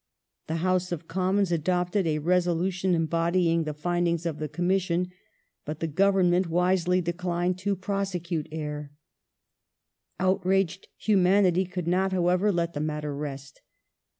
The House of Com mons adopted a resolution embodying the findings of the Commission, but the Government wisely declined to prosecute Eyre. Outraged humanity could not, however, let the matter rest.